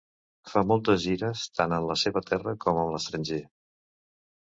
Fa moltes gires, tant en la seva terra com en l'estranger.